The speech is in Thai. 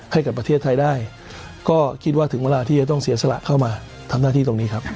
ให้กับประเทศไทยได้ก็คิดว่าถึงเวลาที่จะต้องเสียสละเข้ามาทำหน้าที่ตรงนี้ครับ